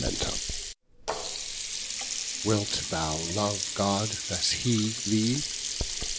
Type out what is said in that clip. XV Wilt thou love God, as he thee?